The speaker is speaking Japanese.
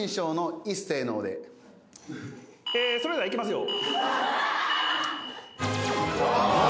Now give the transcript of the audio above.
それではいきますよ。